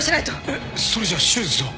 えっそれじゃあ手術を？